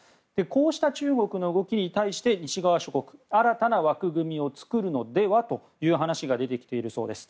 こうした中国の動きに対して西側諸国は新たな枠組みを作るのではという話が出てきているようです。